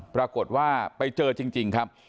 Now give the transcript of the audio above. ปรากฏว่าไปเจอจริงครับ